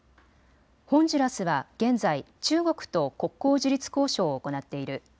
ホンジュラスは現在、中国と国交樹立交渉を行っている。